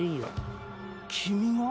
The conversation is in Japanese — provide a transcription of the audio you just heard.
君が？